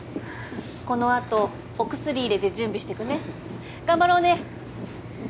このあとお薬入れて準備してくね頑張ろうね